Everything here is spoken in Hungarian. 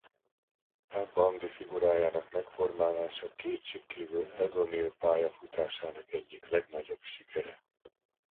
Al Bundy figurájának megformálása kétségkívül Ed O’Neill pályafutásának egyik legnagyobb sikere.